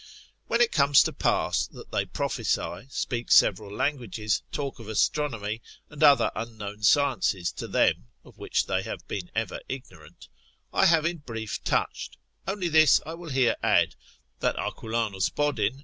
Whence it comes to pass, that they prophesy, speak several languages, talk of astronomy, and other unknown sciences to them (of which they have been ever ignorant): I have in brief touched, only this I will here add, that Arculanus, Bodin.